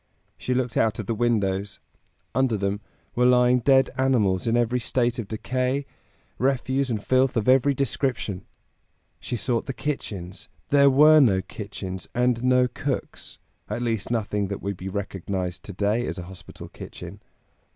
She looked out of the windows; under them were lying dead animals in every state of decay, refuse and filth of every description. She sought the kitchens; there were no kitchens, and no cooks; at least nothing that would be recognized to day as a hospital kitchen.